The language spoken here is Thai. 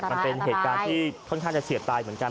มันเป็นเหตุการณ์ที่ค่อนข้างจะเฉียดตายเหมือนกัน